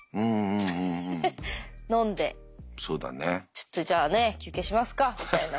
「ちょっとじゃあね休憩しますか」みたいな。